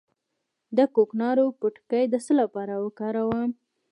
د کوکنارو پوټکی د څه لپاره وکاروم؟